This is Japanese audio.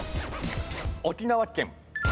沖縄県。